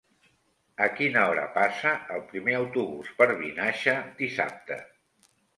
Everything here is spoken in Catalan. A quina hora passa el primer autobús per Vinaixa dissabte?